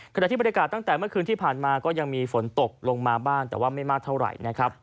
ขณะที่บรรยากาศตั้งแต่เมื่อคืนที่ผ่านมาก็ยังมีฝนตกลงมาบ้างแต่ว่าไม่มากเท่าไหร่นะครับ